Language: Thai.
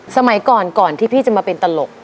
สมัยก่อนก่อนที่พี่จะมาเป็นตลก